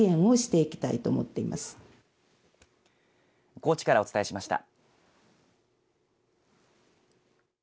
高知からお伝えしました。